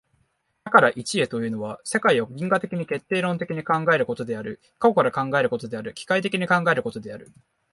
多から一へというのは、世界を因果的に決定論的に考えることである、過去から考えることである、機械的に考えることである。